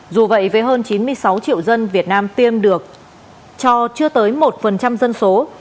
dù vậy với hơn chín mươi sáu triệu dân việt nam tiêm được cho chưa tới một dân số